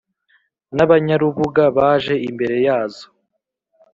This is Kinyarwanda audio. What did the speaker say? n abanyarubuga baje imbere yazo